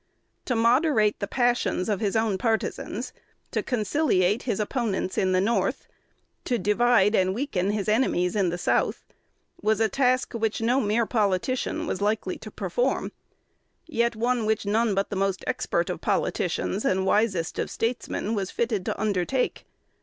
To moderate the passions of his own partisans, to conciliate his opponents in the North, and divide and weaken his enemies in the South, was a task which no mere politician was likely to perform, yet one which none but the most expert of politicians and wisest of statesmen was fitted to undertake.